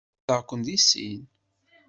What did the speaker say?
Ḥemmleɣ-ken deg sin.